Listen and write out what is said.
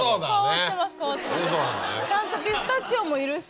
ちゃんとピスタチオもいるし。